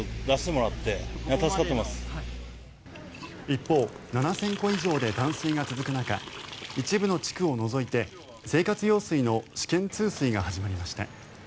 一方、７０００戸以上で断水が続く中一部の地区を除いて生活用水の試験通水が始まりました。